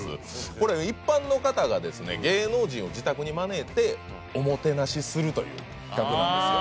これ一般の方がですね芸能人を自宅に招いておもてなしするという企画なんですよ。